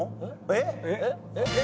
えっ？